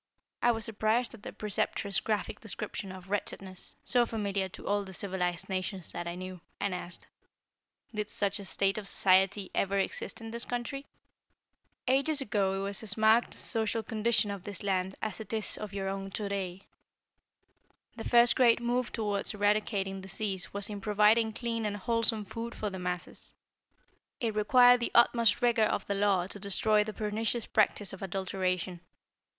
I was surprised at the Preceptress' graphic description of wretchedness, so familiar to all the civilized nations that I knew, and asked: "Did such a state of society ever exist in this country?" "Ages ago it was as marked a social condition of this land as it is of your own to day. The first great move toward eradicating disease was in providing clean and wholesome food for the masses. It required the utmost rigor of the law to destroy the pernicious practice of adulteration.